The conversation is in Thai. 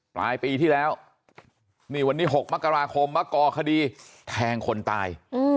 ปลายปีที่แล้วนี่วันนี้๖มกราคมมาก่อคดีแทงคนตาย